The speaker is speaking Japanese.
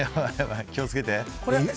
気を付けて。